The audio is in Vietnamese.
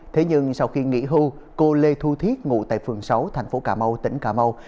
thế nhưng sau khi nghỉ hưu cô lê thu thiết ngụ tại phường sáu thành phố cà mau tỉnh cà mau